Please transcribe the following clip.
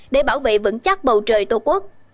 để bảo vệ vững chắc bầu trời tổ quốc